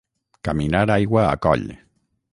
Caminar aigua a coll.